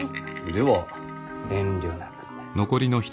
では遠慮なく。